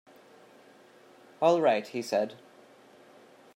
"All right," he said.